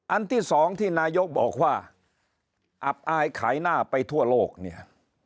อันที่สองที่นายกบอกว่าอับอายขายหน้าไปทั่วโลกเนี่ย